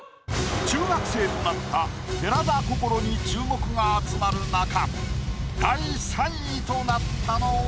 中学生となった寺田心に注目が集まる中第３位となったのは？